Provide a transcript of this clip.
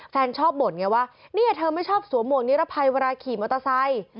ชอบบ่นไงว่าเนี่ยเธอไม่ชอบสวมหวกนิรภัยเวลาขี่มอเตอร์ไซค์